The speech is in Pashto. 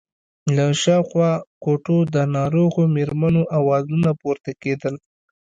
له شاوخوا کوټو د ناروغو مېرمنو آوازونه پورته کېدل.